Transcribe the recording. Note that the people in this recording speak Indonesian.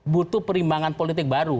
butuh perimbangan politik baru